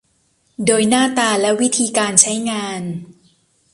โดยหน้าตาและวิธีการใช้งาน